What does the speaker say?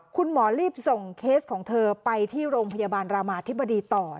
คุณหมอรีบส่งเคสของเธอไปที่โรงพยาบาลรามาธิบดีต่อ